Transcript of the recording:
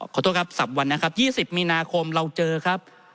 ขอโทษครับสัปวันนะครับ๒๐มิคุมภาพันธ์เราเจอครับ